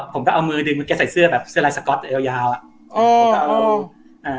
ผมก็เอามือดึงมือแกใส่เสื้อแบบเสื้อลายสก๊อตยาวยาวอ่ะอ๋อผมก็เอาอ่า